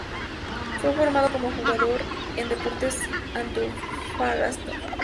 Fue formado como jugador en Deportes Antofagasta.